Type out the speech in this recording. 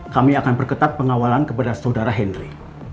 kami akan perketat pengawalan kepada saudara henry